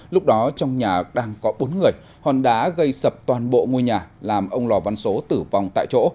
lúc đó trong nhà đang có bốn người hòn đá gây sập toàn bộ ngôi nhà làm ông lò văn số tử vong tại chỗ